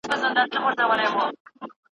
دا پرمختګ د خصوصي سکتور له لارې وشو.